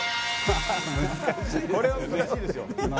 ・難しいこれは難しいですよ